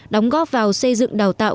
đóng góp vào xây dựng đào tạo